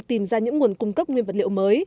tìm ra những nguồn cung cấp nguyên vật liệu mới